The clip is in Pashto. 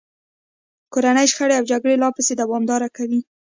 کورنۍ شخړې او جګړې لا پسې دوامداره کوي.